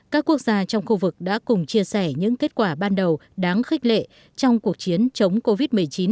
cơ sở những kết quả ban đầu đáng khích lệ trong cuộc chiến chống covid một mươi chín